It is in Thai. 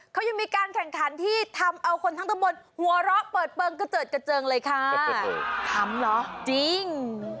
เขายังมีการแข่งขันที่ทำเอาคนทั้งตะบนหัวเราะเปิดเปลืองกระเจิดกระเจิงเลยค่ะทำเหรอจริง